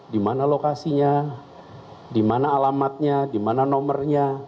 di mana lokasinya di mana alamatnya di mana nomornya